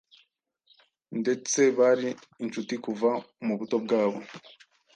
ndetse bari inshuti kuva mu buto bwabo.